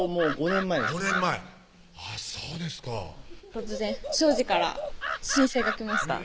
５年前あぁそうですか突然小路から申請が来ました